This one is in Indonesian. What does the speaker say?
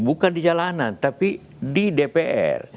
bukan di jalanan tapi di dpr